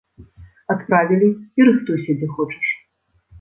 Адправілі, і рыхтуйся, дзе хочаш.